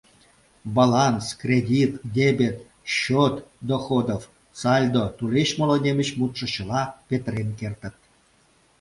Баланс, кредит, дебет, счет доходов, сальдо, тулеч моло немыч мутшо чыла петырен кертыт.